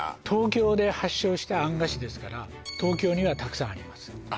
東京で発祥したあん菓子ですから東京にはたくさんあります